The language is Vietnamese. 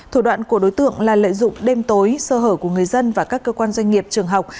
thủ đoạn của đối tượng là lợi dụng đêm tối sơ hở của người dân và các cơ quan doanh nghiệp trường học